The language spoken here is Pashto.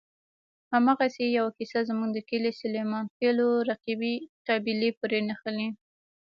همداسې یوه کیسه زموږ د کلي سلیمانخېلو رقیبې قبیلې پورې نښلولې.